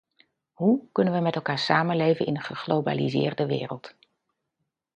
Hoe kunnen we met elkaar samenleven in een geglobaliseerde wereld?